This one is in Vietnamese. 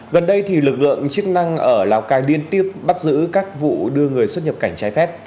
gần đây thì lực lượng chức năng ở lào cai liên tiếp bắt giữ các vụ đưa người xuất nhập cảnh trái phép